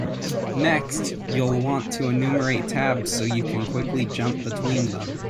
Next, you'll want to enumerate tabs so you can quickly jump between them.